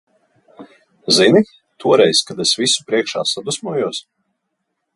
Zini, toreiz, kad es visu priekšā sadusmojos?